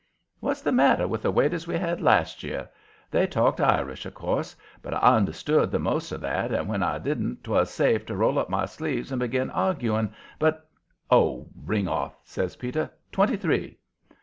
What's the matter with the waiters we had last year? They talked Irish, of course, but I understood the most of that, and when I didn't 'twas safe to roll up my sleeves and begin arguing. But " "Oh, ring off!" says Peter. "Twenty three!"